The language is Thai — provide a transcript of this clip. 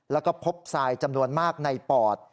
แล้วก็พบทรายจำนวนมากในปอด